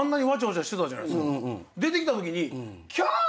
出てきたときに。